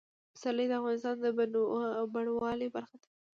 پسرلی د افغانستان د بڼوالۍ برخه ده.